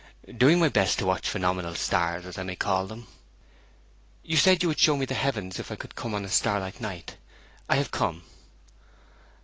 'Doing my best to watch phenomenal stars, as I may call them.' 'You said you would show me the heavens if I could come on a starlight night. I have come.'